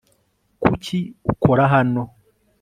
kuki ukora hano